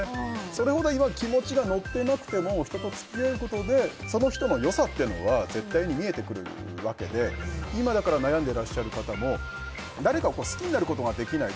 それほど今気持ちが乗っていなくても人と付き合うことでその人の良さは見えてくるわけでだから今悩んでいらっしゃる方も誰かを好きになることができない